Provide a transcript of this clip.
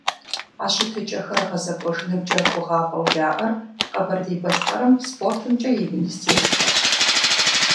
А щытыкӀэхэр гъэзэкӀуэжынымкӀэ гугъапӀэу яӀэр Къэбэрдей-Балъкъэрым СпортымкӀэ и министерствэрщ.